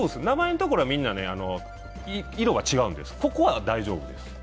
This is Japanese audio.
名前の所は、みんな色が違うんです、ここは大丈夫です。